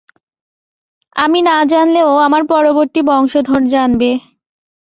আমি না জানলেও আমার পরবর্তী বংশধর জানবে।